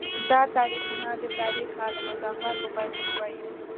دا تاریخونه د تاریخ آل مظفر په پیروی وایي.